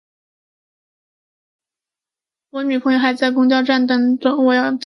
我女朋友还在公交站等着，我要快点回去。